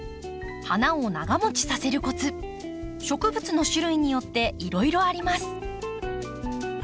花を長もちさせるコツ植物の種類によっていろいろあります。